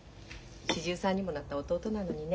４３歳にもなった弟なのにね。